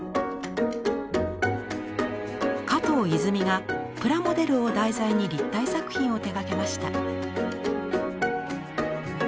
加藤泉がプラモデルを題材に立体作品を手がけました。